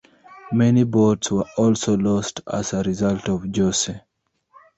Many boats were also lost as a result of Jose.